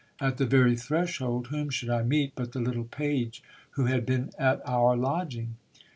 At the very threshold, whom should I meet but the little page who had been at our lodging.